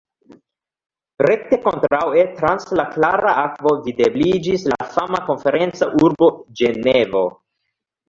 Rekte kontraŭe trans la klara akvo videbliĝis la fama konferenca urbo Ĝenevo.